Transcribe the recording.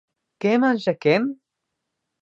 Que mangia Ken?